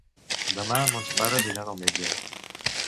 Demà mons pares iran al metge.